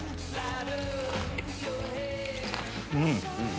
うん！